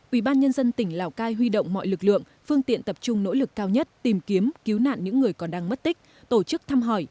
ủy ban nhân dân tỉnh lào cai huy động mọi lực lượng phương tiện tập trung nỗ lực cao nhất tìm kiếm cứu nạn những người còn đang mất tích tổ chức thăm hỏi